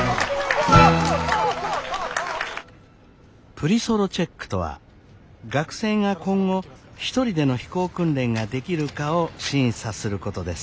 プリソロチェックとは学生が今後一人での飛行訓練ができるかを審査することです。